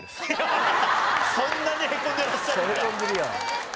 そんなにへこんでらっしゃるんだ。